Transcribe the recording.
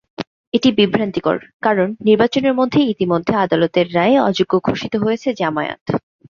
এটি বিভ্রান্তিকর, কারণ নির্বাচনের জন্য ইতিমধ্যে আদালতের রায়ে অযোগ্য ঘোষিত হয়েছে জামায়াত।